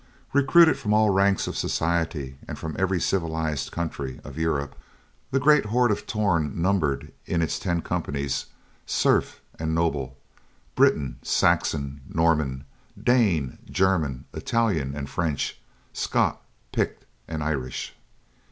Recruited from all ranks of society and from every civilized country of Europe, the great horde of Torn numbered in its ten companies serf and noble; Briton, Saxon, Norman, Dane, German, Italian and French, Scot, Pict and Irish.